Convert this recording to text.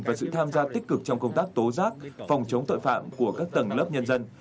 và sự tham gia tích cực trong công tác tố giác phòng chống tội phạm của các tầng lớp nhân dân